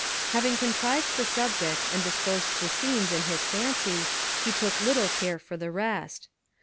] Having contrived the subject, and disposed the scenes in his fancy, he took little care for the rest.